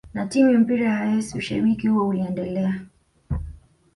na timu ya mpira ya Hayes ushabiki huo uliendelea